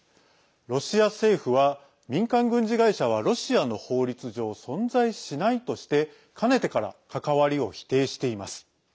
ロシア政府は民間軍事会社はロシアの法律上存在しないとしてかねてから関わりを否定しています。